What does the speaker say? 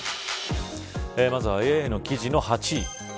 まずはＡＩの記事の８位。